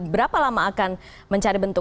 berapa lama akan mencari bentuk